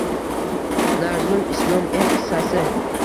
Nazrul Islom erk sasi… |